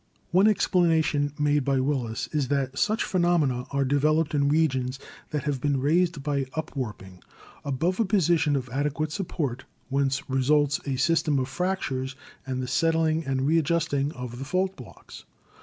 One explanation made by Willis is that such phenomena are developed in regions that have been raised by upwarp ing above a position of adequate support, whence results a system of fractures and the settling and readjusting of the fault blocks.